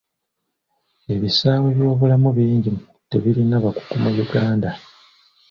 Ebisaawe byobulamu bingi tebirina bakugu mu Uganda.